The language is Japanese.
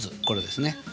これですね。